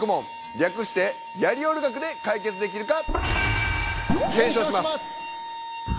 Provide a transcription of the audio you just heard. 略して「やりおる学」で解決できるか。